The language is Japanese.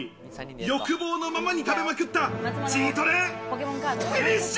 欲望のままに食べまくったチートデイ、フィニッシュ！